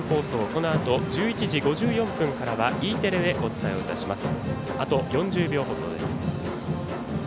このあと１１時５４分からはＥテレでお伝えをいたします。